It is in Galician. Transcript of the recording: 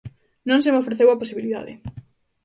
Non se me ofreceu a posibilidade.